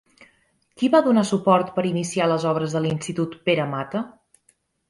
Qui va donar suport per iniciar les obres de l'Institut Pere Mata?